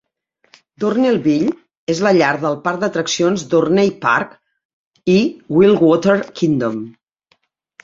Dorneyville és la llar del parc d'atraccions Dorney Park i Wildwater Kingdom.